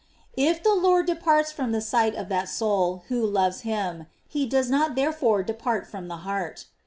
If the Lord departs from the sight of that soul who loves him, he does not therefore depart from the heart.